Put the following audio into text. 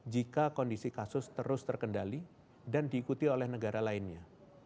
jika kondisi kasus terus terkendali dan diikuti oleh negara lainnya